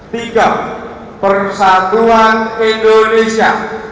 tiga persatuan indonesia